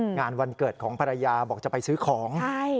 งานวันเกิดของภรรยาบอกจะไปซื้อของ